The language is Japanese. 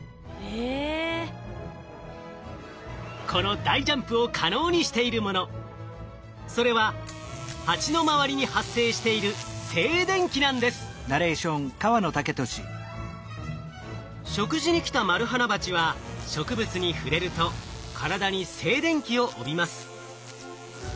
この大ジャンプを可能にしているものそれはハチの周りに発生している食事に来たマルハナバチは植物に触れると体に静電気を帯びます。